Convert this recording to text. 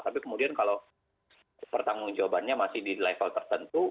tapi kemudian kalau pertanggung jawabannya masih di level tertentu